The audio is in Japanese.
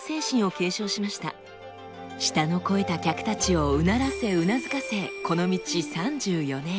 舌の肥えた客たちをうならせうなずかせこの道３４年。